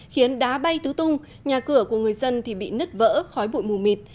khiến đá bay tứ tung nhà cửa của người dân thì bị nứt vỡ khói bụi mù mịt